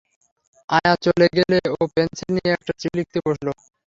আয়া চলে গেলে ও পেনসিল নিয়ে একটা চিঠি লিখতে বসল।